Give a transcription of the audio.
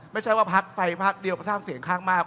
ไม่ใช่ว่าภักดิ์ไฟฟักเดียวประชาธิปไตยมาก